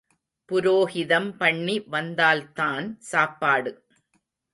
புரோகிதம் பண்ணி வந்தால்தான் சாப்பாடு.